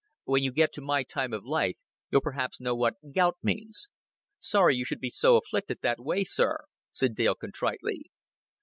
"When you get to my time of life, you'll perhaps know what gout means." "Sorry you should be afflicted that way, sir," said Dale contritely.